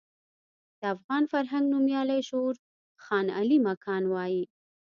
د افغان فرهنګ نومیالی شعور خان علين مکان وايي.